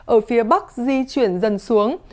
ở phía bắc di chuyển dần xuống